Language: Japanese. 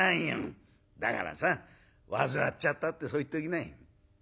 だからさ患っちゃったってそう言っときない」。